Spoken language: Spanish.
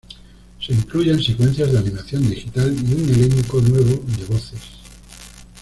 Se incluyen secuencias de animación digital y un elenco nuevo de voces.